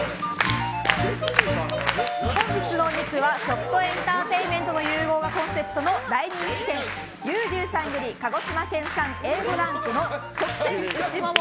本日のお肉は、食とエンターテインメントの融合がコンセプトの大人気店牛牛さんより鹿児島県産、Ａ５ランクの特選うちもも。